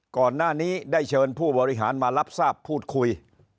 ก่อนหน้านี้ได้เชิญผู้บริหารมารับทราบพูดคุย